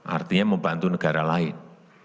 artinya membantu negara lain